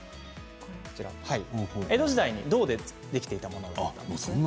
江戸時代に銅でできていたものです。